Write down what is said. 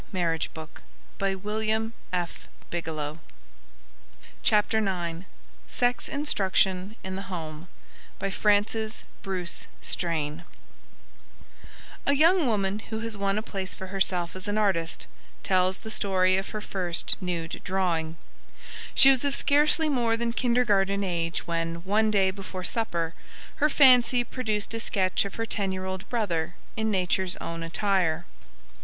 Frances Bruce Strain CHAPTER NINE Sex Instruction in the Home A young woman who has won a place for herself as an artist tells the story of her first nude drawing. She was of scarcely more than kindergarten age when, one day before supper, her fancy produced a sketch of her ten year old brother in nature's own attire.